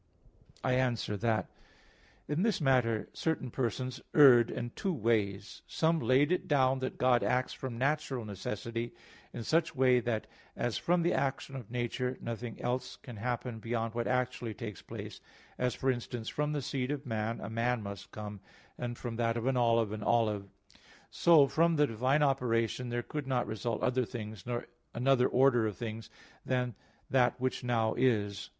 I answer that, In this matter certain persons erred in two ways. Some laid it down that God acts from natural necessity in such way that as from the action of nature nothing else can happen beyond what actually takes place as, for instance, from the seed of man, a man must come, and from that of an olive, an olive; so from the divine operation there could not result other things, nor another order of things, than that which now is.